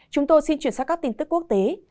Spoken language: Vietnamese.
chúng tôi xin chuyển sang các tin tức quốc tế